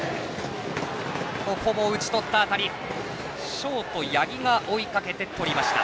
ショート、八木が追いかけてとりました。